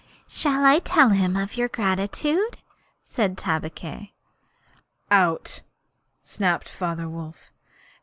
'Shall I tell him of your gratitude?' said Tabaqui. 'Out!' snapped Father Wolf.